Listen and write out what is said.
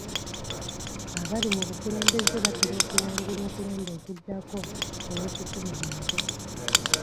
Abali mu bukulembeze batera okuwangula okulonda okuddako olw'etuttumu lyabwe.